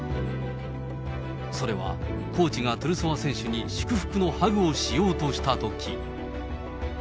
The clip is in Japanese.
それは、コーチがトゥルソワ選手に祝福のハグをしようとしたとき。